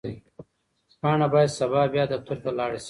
پاڼه باید سبا بیا دفتر ته لاړه شي.